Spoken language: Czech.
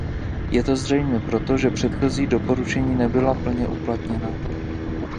Je to zřejmě proto, že předchozí doporučení nebyla plně uplatněna.